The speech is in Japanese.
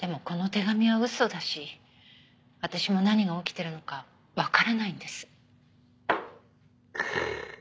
この手紙は嘘だし私も何が起きてるのかわからないんです。